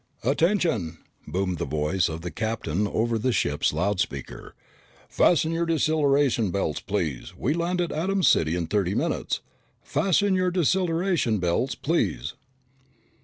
"Attention," boomed the voice of the captain over the ship's loud speaker. "Fasten your deceleration belts, please! We land at Atom City in thirty minutes. Fasten your deceleration belts, please!"